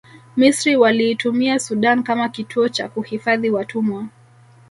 misri waliitumia sudan kama kituo cha kuhifadhi watumwa